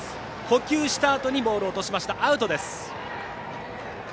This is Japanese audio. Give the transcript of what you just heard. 捕球したあとにボールを落としましたアウトです。